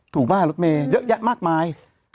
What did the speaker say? ถูกป่ะลูกเมย์เยอะแยะมากมาย